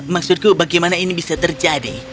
maksudku bagaimana ini bisa terjadi